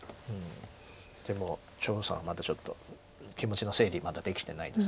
でも張栩さんはまだちょっと気持ちの整理まだできてないです。